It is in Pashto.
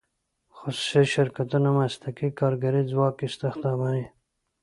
خصوصي شرکتونه مسلکي کارګري ځواک استخداموي.